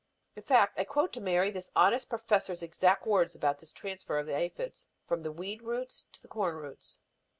In fact, I quote to Mary this honest professor's exact words about this transfer of the aphids from the weed roots to the corn roots.